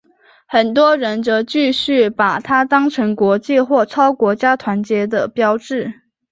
很多人则继续把它当成国际或超国家团结的标志。